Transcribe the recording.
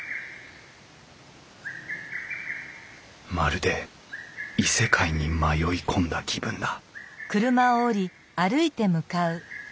まるで異世界に迷い込んだ気分だ